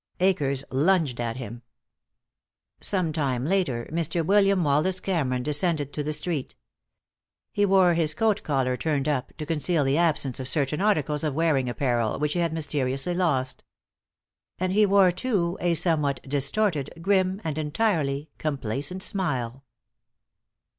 Akers lunged at him. Some time later Mr. William Wallace Cameron descended to the street. He wore his coat collar turned up to conceal the absence of certain articles of wearing apparel which he had mysteriously lost. And he wore, too, a somewhat distorted, grim and entirely complacent smile.